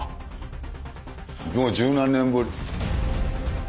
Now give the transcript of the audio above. もう十何年ぶり。